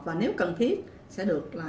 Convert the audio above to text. và nếu cần thiết sẽ được tư vấn